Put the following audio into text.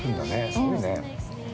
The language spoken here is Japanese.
すごいね。